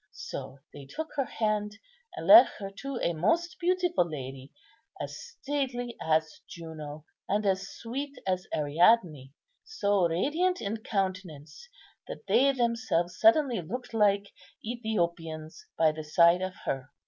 So they took her hand, and led her to a most beautiful lady, as stately as Juno and as sweet as Ariadne, so radiant in countenance that they themselves suddenly looked like Ethiopians by the side of her.